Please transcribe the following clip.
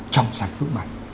trong sản phức mạnh